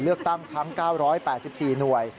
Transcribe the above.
เลือกตั้งทั้ง๙๘๔หน่วย